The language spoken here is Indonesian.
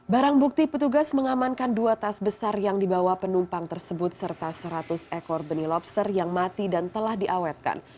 barang bukti petugas mengamankan dua tas besar yang dibawa penumpang tersebut serta seratus ekor benih lobster yang mati dan telah diawetkan